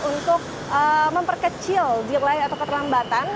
untuk memperkecil delay atau keterlambatan